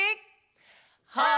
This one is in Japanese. はい！